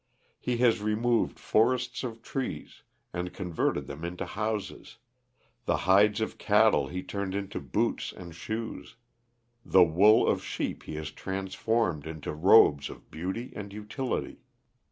He has removed forests of trees and converted them into houses, the hides of cattle he turned into boots and shoes, the wool of sheep he has transformed into robes of beauty and utility.